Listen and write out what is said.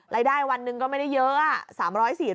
รายได้วันหนึ่งก็ไม่ได้เยอะอะ๓๐๐๔๐๐